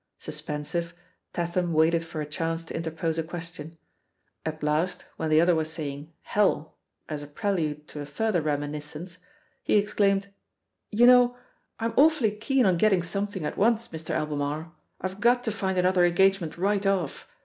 Suspensive, Tatham waited for a chance to interpose a question. At last, when the other was saying "Hell," as a prelude to a further reminiscence, he exclaimed : "You know, I'm awfully keen on getting something at once, Mr, Albemarle! IVe got to find another engagement right off.